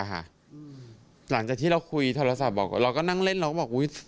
หลังจากที่เราคุยโทรศัพท์บอกเราก็นั่งเล่นเราก็บอกอุ๊ย